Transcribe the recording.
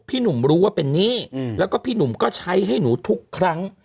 หนุ่มรู้ว่าเป็นหนี้แล้วก็พี่หนุ่มก็ใช้ให้หนูทุกครั้ง